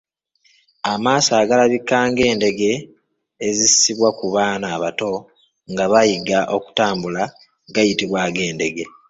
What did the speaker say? Amaaso agalabika ng’endege ezissibwa ku baana abato nga bayiga okutambula gayitibwa ag’endege.